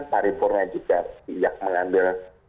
paripurnya juga tidak mengambil